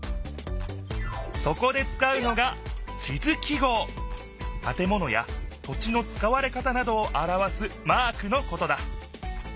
そこでつかうのがたてものや土地のつかわれ方などをあらわすマークのことだ